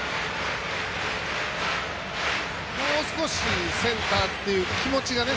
もう少しセンターという気持ちがね。